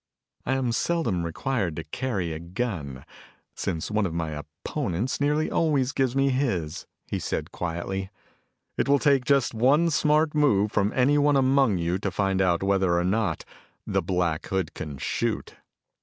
"I am seldom required to carry a gun, since one of my opponents nearly always gives me his," he said quietly. "It will take just one smart move from any one among you to find out whether or not the Black Hood can shoot."